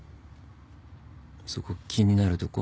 そこ気になるとこ？